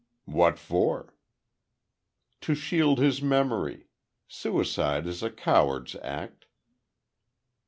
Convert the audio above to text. "What for?" "To shield his memory. Suicide is a coward's act."